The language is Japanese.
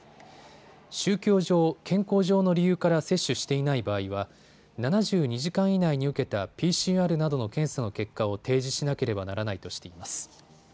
宗教上、健康上の理由から接種していない場合は７２時間以内に受けたＰＣＲなどの検査の結果を提示しなければならないとしています。